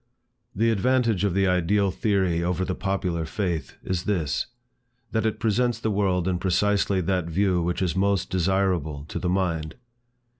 The advantage of the ideal theory over the popular faith, is this, that it presents the world in precisely that view which is most desirable to the mind.